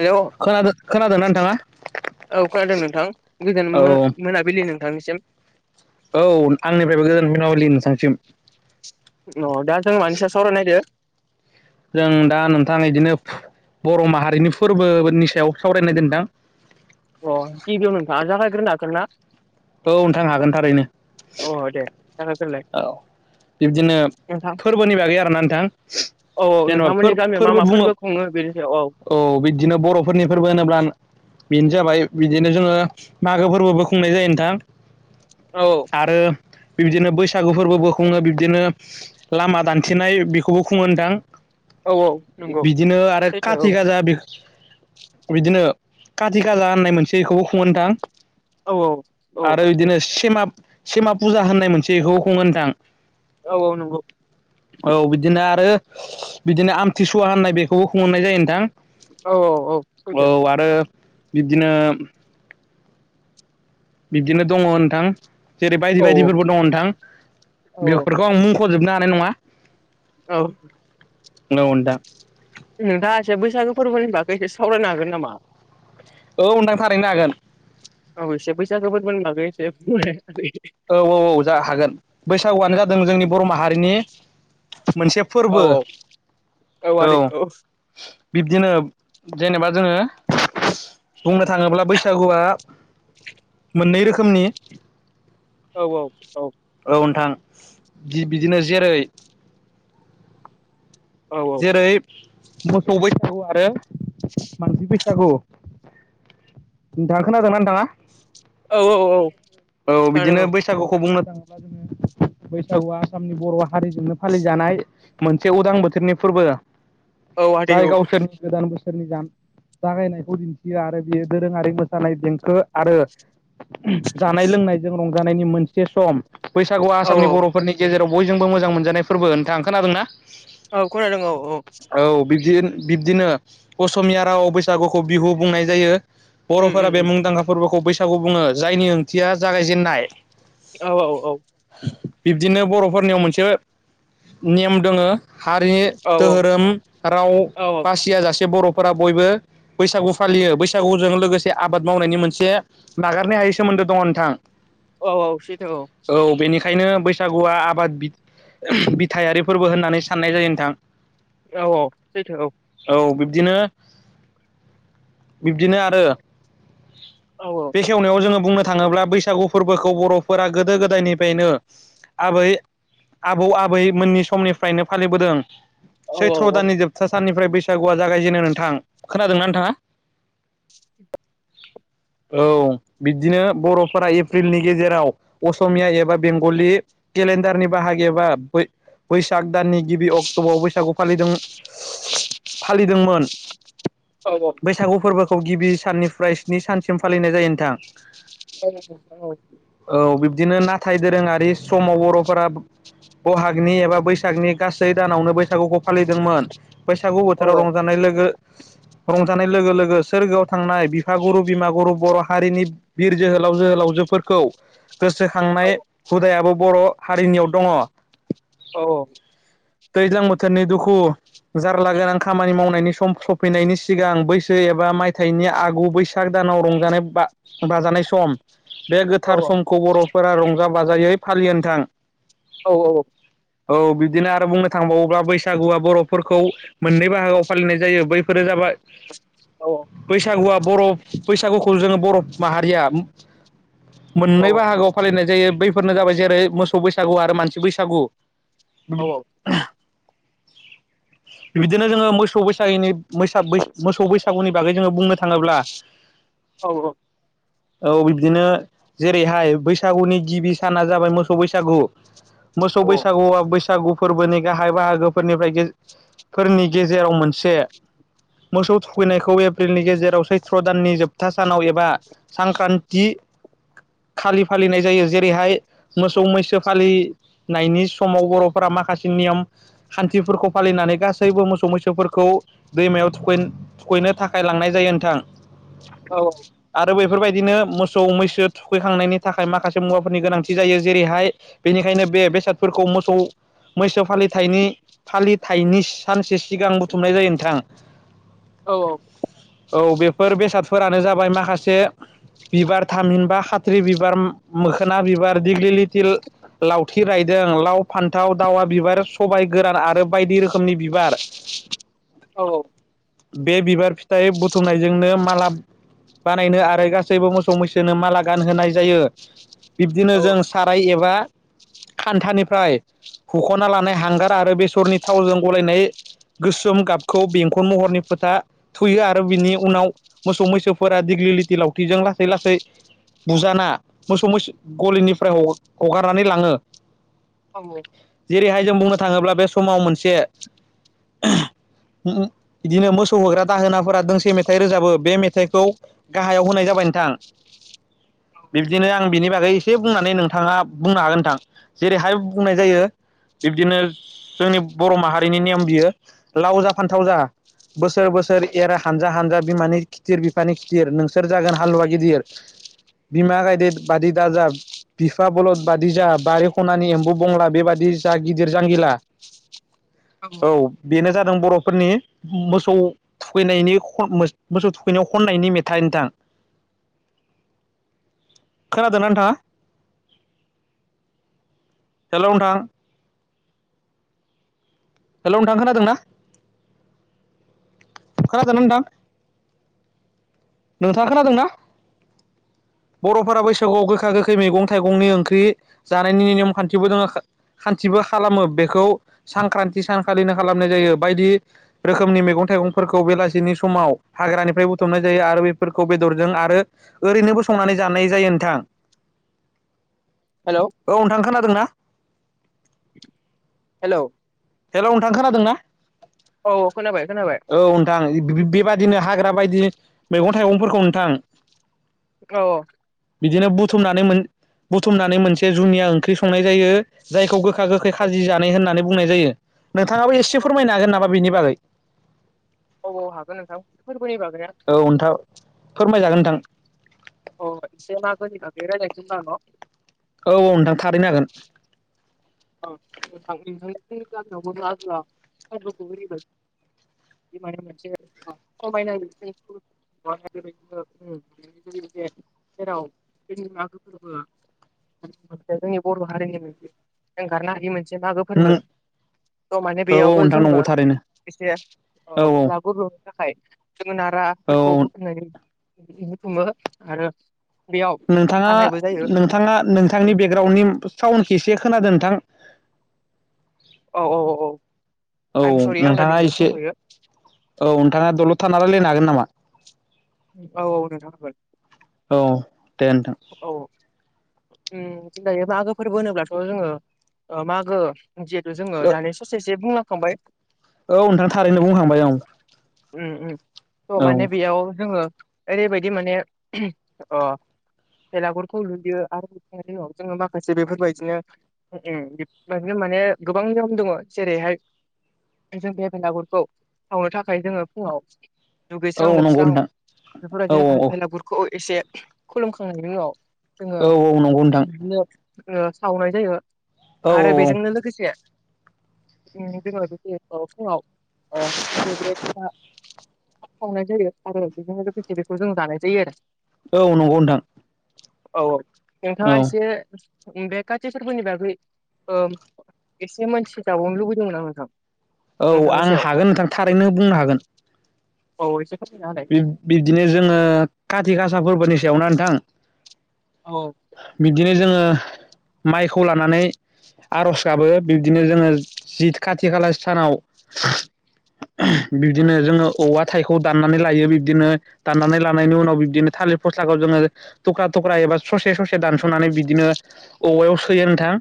हेल' औ खोनादों खोनादोंना नोंथाङा खोनादों नोंथां गोजान औ मो-मोनाबिलि नोंथांनिसिम। औ आंनिफ्रायबो गोजोन मोनाबिलि नोंथांसिम। अह दा जों मानसिया सावराय नायदो? जों दा नोंथां इदिनो बर' माहारिनि फोरबोनि सायाव सावरायनायदो नोंथां। अ गिबियाव नोंथाङा जागायग्रोनो हागोन ना औ नोंथां हागोन थारैनो। अ दे जागायग्रोलाय औ बिब्दिनो नोंथां फोरबोनि बागै आरोना नोंथां। औ जेन'बा नोंथांमोननि गामियाव मा फोर-फोरबो मा बुङो। फोरबो खुङो बेनि सायाव औ बिदिनो बर'फोरनि फोरबो होनोब्ला बेनो जाबाय बिदिनो जोङो मागो फोरबोबो खुंनाय जायो नोंथां। औ आरो बिबायदिनो बैसाग सागु फोरबो खुङो। बिब्दिनो लामा दान्थेनाय बेखौबो खुङो नोंथां। औ औ नंगौ बिदिनो आरो सैथो काटि औ गाजा बे बिदिनो काति काला होननाय मोनसे बेखौबो खुङो नोंथां। औ औ आरो सैथो बिदिनो सिमा सिमा फुजा होननाय मोनसे इखौबो खुङो नोंथां। औ औ नंगौ औ बिदिनो आरो बिदिनो आमथिसुवा होननाय बेखौबो खुंनाय जायो नोंथां। औ औ औ सैथो। बिब्दिनो बिब्दिनो दङ नोंथां। जेरै बायदि औ बायदिफोरबो दङ नोंथां। औ बेफोरखौ आं मुं ख'जोबनो हानाय नङा। औ। [unintelligible] नोंथाङा एसे बैसागो फोरबोनि बागै एसे सावरायनो हागोन नामा? [unintelligible] नो हागोन। औ एसे बैसागो फोरबोनि बागै एसे बुंलाय। औ औ औ जा हागोन बैसागुआनो जादों जोंनि बर माहारिनि मोनसे औ फोर्बो औ। बिबदिनो जेनेबा जोङो बुंनो थाङोब्ला बैसागुआ मोननै रोखोमनि औ औ औ। औ नोंथां जि बिदिनो जेरै औ जेरै मोखौ बैसागु आरो मानसि बैसागु नोंथाङा खोनादोंना नोंथांआ? औ औ औ बिदिनो खोनादों औ बैसागुखौ बुंनो थाङोब्ला बैसागुआ आसामनि बर' हारिजोंनो फालिजानाय मोनसे उदां बोथोरनिफ फोरबो औ आदै जाय औ गावसोरनि गोदान बोसोरनि जान जागायनायखौ दिन्थियो आरो बियो दोरोङारि मोसानाय देंखो आरो उम जानाय लोंनायजों रंजानायनि मोनसे सम बैसागुआ औ आसामनि औ बरफोरनि गेजेराव बयजोंबो मोजां मोनजानाय फोरबो नोंथाङ खोनादोंना? औ खोनादों औ औ। बिबदिन बिबदिनो असमिया रावआव बैसागुखौ बिहु बुंनायजायो। उम बर'फोरा उम बे उम मुंदांखा फोरबोखौ बैसागुबुङो जायनि ओंथिया जागायजेननाय। औ औ औ। बिबदिनो बरफोरनियाव मोनसे नेम दोङो हारि औ दोहोरोम राव औ बासिया जासे बरफोरा बयबो बैसागु फालियो बैसागुजों लोगोसे आबाद मावनायनि मोनसे नागारनाय हायि सोमोन्दो दङ' नोंथां। औ औ सैथो औ। खायनो बैसागुआ आबाद बिद बिथारि फोरबो होननानै साननायजायो नोंथां। औ बिबदिनो। बिबदिनो आरो औ बेखेवनायाव जोङो बुंनो थाङोब्ला बैसागु फोरबोखौ बरफोरा गोदो गोदायनिफायनो आबै आबौ आबै मोननि समनिफ्रायनो फालिबोदों औ औ सैथ्र दाननि जोबथा साननिफ फ्राय बैसागुआ जागायजेनो नोंथां खोनादोंना नोंथांआ? औ बिबदिनो बर'फोरा एप्रिलनि गेजेराव असमिया एबा बेंगलि केलेन्डारनि बाहायग एबा बै-बैसाग दाननि गिबि अक टअव बैसागु फालिदों [unintelligible] फालिदोंमोन। औ औ बैसागु फोरबोखौ गिबि साननिफ्राय स्नि सानसिम फालिनायजायो नोंथां। औ बिबदिनो नाथाय दोरोङारि समाव बर'फोरा बहागनि एबा बैसागनि गासै दानावनो बैसागुखौ फालिदोंमोन। बैसागु बोथोराव रंजानाय लोगो रं जानाय लोगो लोगो सोरगोआव थांनाय बिफागुरु बिमागुरु बर' हारिनिब बिर जोहोलाव जोहोलावजोफोरख खौ गोसोखांनाय हुदायाबो बर' हारिनियाव दङ'। औ औ। दैज्लां बोथोरनि दुखु जारलागोनां खामानि मावनायनि सम सफैनायनि सिगां बैसो एबा मायथाइनि आगु बैसाग दा सानाव रंजानाय बा बाजानाय सम। बे गोथार समखौ बर'फोरा रंजा बाजायै फालियो नोंथां। औ औ औ बिदिनो आरो बुंनो थांबावोब्ला बैसागुआ बर'फोरखौ मोननै बाहागोआव फालिनाय जायो बैफोरो जाबाय औ बैसागुआ बर' बैसागुखौ जोङो बर' माहारिया औ मोननै बाहागोआव फालिनाय जायो बैफोरनो जाबाय जेरै मोसौ बैसागु आरो मानसि बैसागु। औ औ बिदिनो जोङो मोसौ बैसागनि मोसा बैस मोसौ बैसागुनि बागै जोङो बुंनो थाङोब्ला औ औ औ बिब्दिनो जेरैहाय बैसागुनि गिबि साना जाबाय मोसौ बैसागु मोसौ बैसागुआ बैसागु फोरबोनि गाहाय बाहागोफोरनिफ्राय फोरनि गेजेराव मोनसे मोसौ थुखैनायखौ एप्रिलनि गेजेराव सैथ्र' दाननि जोबथा सानाव एबा सांख्रान्थि खालि फालिनाय जायो जेरैहाय मोसौ मैसो फालिनायनि समाव बर' फोरा माखासे नियम खान्थिफोरखौ फालिनानै गासैबो मोसौ मैसोफोरखौ दैमायाव थुखै थुखैनो थाखाय लांनाय जायो थां औ औ बेफोरबायदिनो मोसौ मैसो थुखैखांनायनि थाखाय माखासे मुवाफोरनि गोनांथि जायो जेरैहाय बेनिखायनो बे बेसादफोरखौ मोसौ मैसो फलिनि फालिथायनि सानसे सिगां बुथुमनाय जायो नोंथां [inaudible] औ औ बेफोर बेसादफोरानो जाबाय माखासे बिबार थामहिनबा खाथ्रि बिबार मोखोना बिबार दिग्लि लिटि लावथि रायदों लाव फान थाव दावा बिबार सबाय गोरान आरो बायदि रोखोमनि बिबार औ बे बिबार फिथाइ बुथुमनायजोंनो माला बानायनो आरो गासैबो मोसौ मैसोनो माला गानहोनाय जायो। बिब्दिनो जों साराय एबा खान्थानिफ्राय हुख'ना लानाय हांगार आरो बेसरनि थावजों गलायनाय गोसोम गाबखौ बेंखन महरनि फोथा थुयो आरो बिनि उनाव मोसौ मैसोफोरा दिग्लिलिथि लावथिजों लासै लासै बुजाना मोसौ मैसो गलिनिफ्राय हगारनानै लाङो औ जेरैहाय जों बुंनो थाङोब्ला बे समाव मोनसे बिदिनो मोसौ होग्रा दाहोनाफोरा दोंसे मेथाइ रोजाबो बे मेथाइखौ गाहायाव होनाय जा बाय नोंथां बिब्दिनो आं बिनि बागै एसे बुंनानै नोंथाङा बुंनो हागोन नोंथां जेरैहाय बुंनाय जायो। बिब्दिनो जोंनि बर' माहारिनि नेम बियो लाव जा फान्थाव जा बोसोर बोसोर एर हानजा हानजा बिमानि खिथिर बिफानि खिदिर नोंसोर जागोन हालुवा गिदिर बिमा गायदे बादि दााजा बिफा बलद बाददि जााह बारि खानि एम्बु बंला बेबादि जा गिदिर जांगिला औ बेनो जादों बर'फोरनि मोसौ थुखैनायनि मोसौ थुखैनायाव खन नि मेथाइ नोंथां खोनादों नोंथांङा हेलौ नोंथां हेलौ नोंथां खोनादोंना खोनादोंना नोंथां नोंथाङा खोनादोंना बर'फोरा बैसागुआव गोखा गोखै मैगं थाइगंनि ओंख्रि जानायनि नियम खान्थिबो दङ खान्थिबो खालामो बेखौ सानख्रान्थि सानखालिनो खालामनाय जायो बायदि रोखोमनि मैगं-थाइगं फोरखौ बेलासिनि समाव हाग्रानिफ्राय बुथुमनाय जायो आरो बेफोरखौ बेदरजों आरो ओरैनोबो संनानै जानाय जायो नोंथां हेलौ औ नोंथां खोनादोंना हेलौ, हेलौ, नोंथां खोनादों ना औ औ खोनाबाय खोनाबाय औ नोंथां बेबायदिनो हाग्रा बायदि मैगं थाइगंफोरखौ नोंथां औ बिदिनो बुथुमनानै बुथुमनानै मोनसे जुनिया ओंख्रि संनाय जायो। जायखौ गोखा गोखै औ खाजि जानाय होननानै बुंनाय जायो नोंथाङाबो एसे फोरमायनो हागोन नामा। बिनि बागै। औ औ हागोन नोंथां फोरबोनि बागैया औ नोंथां फोरमायजागोन नोंथां अ इसे मागोनि बागै रायलायनोसै होमबा न' औ औ नोंथां थारैनो हागोन ज ज मोन राजला नखग [unintelligible] मे मोनसे खायनाय [unintelligible] जेराव जोंनि मागो फोरबोआ जोंनि बर' हारिनि मोनसे एंगारनो हायि मोनसे मागो फोरबो नों थ' माने औ औ बेयावबो नोंथां जोङो नंगौ थारैनो एसे औ ला गुरु थाखाय जोङो औ नाराफोरखौ बुथुमनानै बुथुमो आरो बेयाव नोंथाङा हानायबो जायो नोंथाङा नोंथांनि बेकग्राउन्डनि साउन्ड खि जे खोनादों नोंथां औ औ औ औ आइम सरि आंना नोंथाङा दुब्लियावसो एसे दंथ'यो औ नोंथाङा दलद थान रायलायनो हागोन नामा औ औ नोंथाङाबो औ दे नोंथां जों दायो मागो फोरबो होनोब्लाथ' जोङो ओ मागो जिहेथु जोङो दानि ससेससे बुंलांखांबाय औ नोंथां थारैनो बुंखांबाय औ ओम ओम थ' औ माने बेयाव जोङो ओरैबायदि माने अ बेलागुरखौ लुयो आरो लुांनायनि उनाव जोङो माखासे बेफोरबायदिनो बेफोरबायदिनो मे [unintelligible] बे गोबां निअम जेरैहाय जों बे बेलांगुरखौ सावनो थाखाय जोङो फुङाव औ दुगैस्रां नंगौ लोबस्रां नोंथां औ बेफोरबायदिनो बेलांगुरखौ एसे खुलुम खांनायनि जोङो औ औ औ नंगौ नोंथां बिदिनो सावनाय जायो। औ औ आरो बेजोंनो लोगोसे [unintelligible] संनाय जायो आरो बिदिनो फिथि बेखौ जों जानाय जायो आरो औ नंगौ नोंथां औ नोंथाङा औ एसे बे काथि फोरबोनि बागै ओ एसे मोनथि जाबावनो लुबैदोंमोन आ़ नोंथां औ नोंथांनि आं सायाव हागोन नोंथां थारैनो बुंनो हागोन। औ एसे फोरमायना होलाय बिब्दिनो जोङो खाथि खासा फोरबोनि सायावना नोंथां औ बिब्दिनो जोङो माइखौ लानानै आर'ज गाबो बिब्दिनो जोङो जि खाथि खाला सानाव औ बिदिनो जोङो औवा हाथाइखौ दाननानै लायो बिब्दिनो दाननानै लानायनि उनाव बिब्दिनो थालिर फस्लाखौ जोङो थख्रा थख्रा एबा ससे ससे दानस'नानै बिदिनो औवायाव सोयो नोंथां।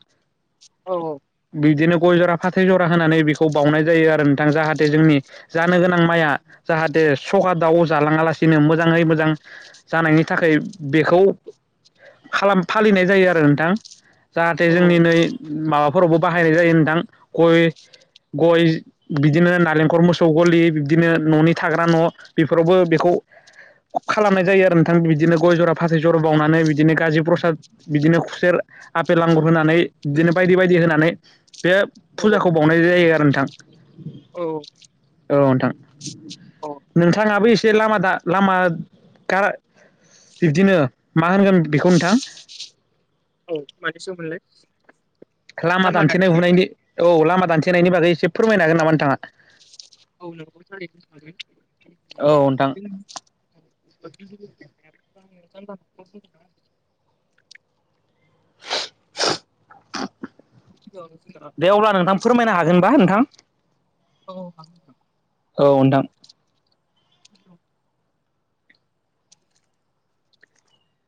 औ औ। बिदिनो गय जरा फाथै जरा होनानै बेखौ बावनाय जायो आरो नोंथां जाहाथे जोंनि जानो गोनां माइया जाहाथे सखा दाउ जालाङालासिनो मोजाङै मोजां जानायनि थाखाय बेखौ फालिनाय जायो आरो नोंथां जाहाथे औ जोंनि नै माबा फोरावबो बाहायनाय जायो नोंथां गय गय बिदिनो नालेंखर मोसौ गलि बिदिनो न'नि थाग्रा न' बेफोरावबो बेखौ खालामनाय जायो आरो नोंथां बिदिनो गय जरा फाथै जरा बावनानै बिदिनो गाज्रि प्रसाद बिदिनो खुसेर आफपेल आगुर होनानै बिदिनो बायदि बायदि होनानै बे औ फुजाखौ बावनाय जायो आरो नोंथां। औ। औ नोंथां औ नोंथाङाबो एसे ए लामा लामा गारा बिब्दिनो मा होनगोन बेखौ नोंथां? औ मानोसमोनलाय [unintelligible] लामा दानथेनाय हुनायनि औ लामा दानथेनायनि बागै एसे फोरमायनो हागोन नामा नोंथाङा? औ नोंगौ स थोन औ नोंथां [unintelligible] [unintelligible] दे अब्ला नोंथां फोरमायनो हागोनबा नोंथां? औ। औ नोंथां औ।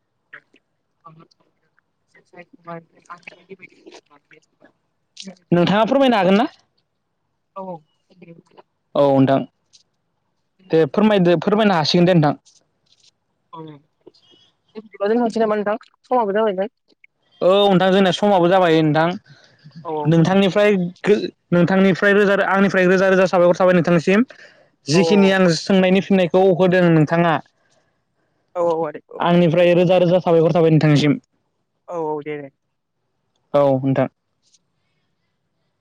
[unintelligible] नोंथाङा फोरमायनो हागोन ना? औ। औ नोंथां दे फोरमायदो फोरमायनो हासिगोन दे नोंथां। समाबो जाबाय औ नोंथां जोंना समाबो जाबाय नोंथां औ नोंथांनिफ्राय नोंथांनिफ्राय फ्राय रोजा आंनिफ्राय रोजा रोजा साबायखर थांबाय नोंथांनि सिम। औ जिखिनि आं सोंनायनि फिननायखौ होदों नोंथाङा। औ आदै औ सरि आंनिफ्राय औ रोजा रोजा साबायखर थाबाय नोंथांनिसिम। औ दे औ नोंथां।